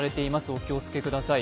お気をつけください。